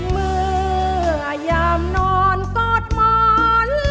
เมื่อยามนอนก็หมอนละมาว่าอกเธอนั้นเสียนอุ่น